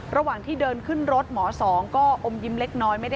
ระหว่างที่เดินขึ้นรถหมอสองก็อมยิ้มเล็กน้อย